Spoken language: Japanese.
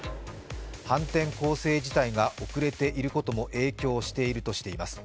反転攻勢自体が遅れていることも影響しているとしています。